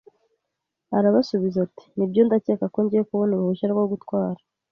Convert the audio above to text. "Arabasubiza ati:" Nibyo, ndakeka ko ngiye kubona uruhushya rwo gutwara. "